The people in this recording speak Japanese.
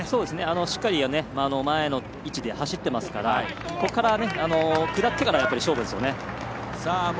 しっかり前の位置で走ってますからここから、下ってからが勝負ですよね。